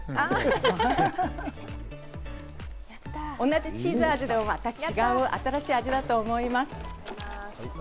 同じチーズ味でもまた違う新しい味だと思います。